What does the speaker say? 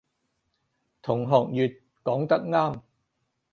同學乙講得啱